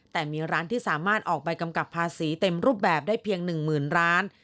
แต่มีร้านที่สามารถออกใบกำกับภาษีเต็มรูปแบบได้เพียง๑๐๐๐ร้าน